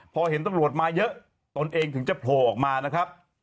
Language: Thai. พอเห็นตรวจมาเยอะตนเองถึงจะโผล่ออกมา